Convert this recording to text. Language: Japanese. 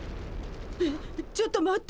えっちょっと待って。